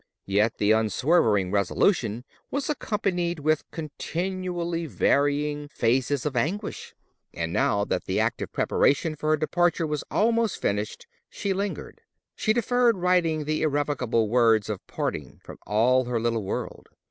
Yet the unswerving resolution was accompanied with continually varying phases of anguish. And now that the active preparation for her departure was almost finished, she lingered: she deferred writing the irrevocable words of parting from all her little world.